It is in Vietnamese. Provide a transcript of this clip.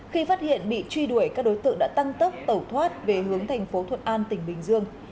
khi phát hiện bị truy đuổi các đối tượng đã tăng tốc tẩu thoát về hướng thành phố thuận an tỉnh bình dương